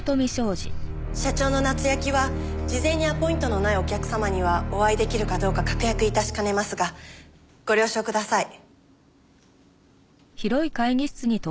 社長の夏焼は事前にアポイントのないお客様にはお会い出来るかどうか確約致しかねますがご了承ください。